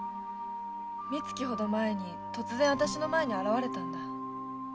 三月ほど前に突然あたしの前に現れたんだ。